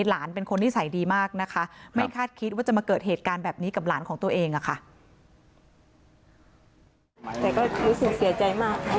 หลานเป็นคนที่นิสัยดีมากเลยนะมึงไม่คิดว่าจะเกิดแบบนี้ค่ะมันเร็วเกินไป